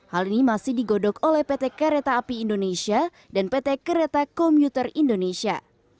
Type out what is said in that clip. hal ini masih digodok oleh pt kereta api indonesia dan pt kereta komuter indonesia